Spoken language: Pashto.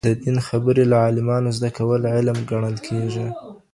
د دين خبرې له عالمانو زده کول علم ګڼل کېږي.